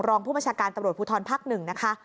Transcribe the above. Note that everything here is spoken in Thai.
รองผู้บัญชาการตำรวจภูทรภักดิ์๑นะคะ